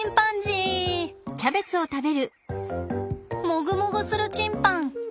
もぐもぐするチンパン！